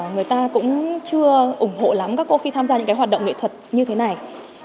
người ta cũng chưa ủng hộ lắm các cô khi tham gia những cái hoạt động nghệ thuật như thế này